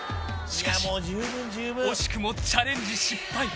しかし惜しくもチャレンジ失敗。